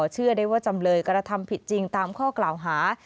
เชื่อได้ว่าจำเลยกระทำผิดจริงตามข้อกล่าวหา